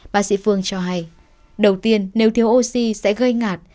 bác sĩ phương cho hay đầu tiên nếu thiếu oxy sẽ gây ngạt